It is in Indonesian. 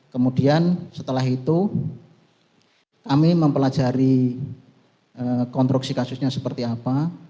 kemudian setelah itu kami mempelajari konstruksi kasusnya seperti apa